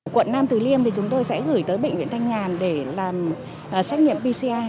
quận nam từ liêm thì chúng tôi sẽ gửi tới bệnh viện thanh nhàn để làm xét nghiệm pci